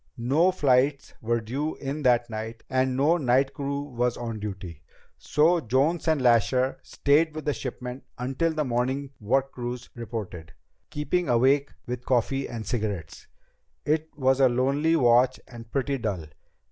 No flights were due in that night, and no night crew was on duty; so Jones and Lasher stayed with the shipment until the morning work crews reported, keeping awake with coffee and cigarettes. It was a lonely watch and pretty dull.